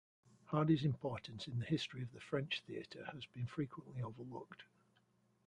Hardy's importance in the history of the French theatre has been frequently overlooked.